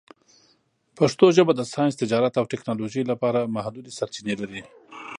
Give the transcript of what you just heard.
پښتو ژبه د ساینس، تجارت، او ټکنالوژۍ لپاره محدودې سرچینې لري.